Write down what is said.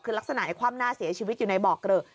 คือลักษณะคว่ำหน้าเสียชีวิตอยู่ในบ่อเกลอะ